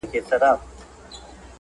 ساده، له خوښیو ډکه او طبیعي ده